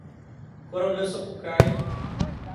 Coronel Sapucaia